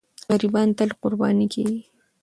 غریبان تل قرباني کېږي.